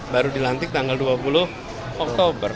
baru dilantik tanggal dua puluh oktober